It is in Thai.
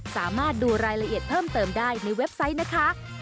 สามารถดูรายละเอียดเพิ่มเติมได้ในเว็บไซต์นะคะ